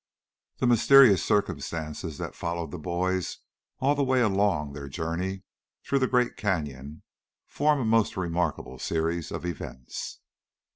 The mysterious circumstances that followed the boys all the way along on their journey through the great canyon form a most remarkable series of events.